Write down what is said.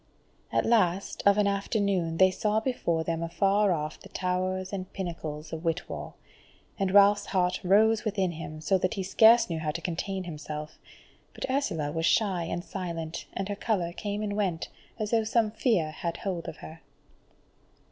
At last, of an afternoon, they saw before them afar off the towers and pinnacles of Whitwall, and Ralph's heart rose within him, so that he scarce knew how to contain himself; but Ursula was shy and silent, and her colour came and went, as though some fear had hold of her.